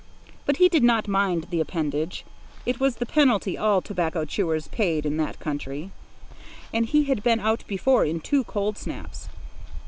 But he did not mind the appendage. It was the penalty all tobacco chewers paid in that country, and he had been out before in two cold snaps.